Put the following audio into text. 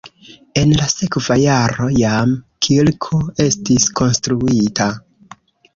En la sekva jaro jam kirko estis konstruita.